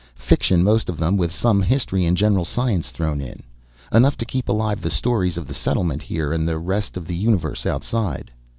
Fiction most of them, with some history and general science thrown in. Enough to keep alive the stories of the settlement here and the rest of the universe outside.